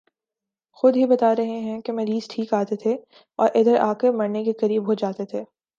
خود ہی بتا رہے ہیں کہ مریض ٹھیک آتے تھے اور ادھر آ کہ مرنے کے قریب ہو جاتے تھے